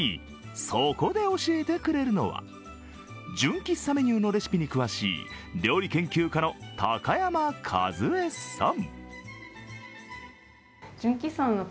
そこで教えてくれるのは純喫茶メニューのレシピに詳しい料理研究家の高山かづえさん。